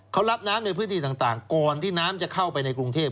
เขารับน้ำในพื้นที่ต่างก่อนที่น้ำจะเข้าไปในกรุงเทพ